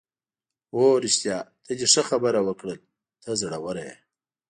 هو رښتیا، ته دې ښه خبره وکړل، ته زړوره یې.